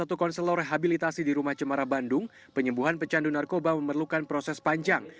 untuk konselor rehabilitasi di rumah cemara bandung penyembuhan pecandu narkoba memerlukan proses panjang